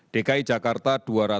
dki jakarta dua ratus delapan puluh empat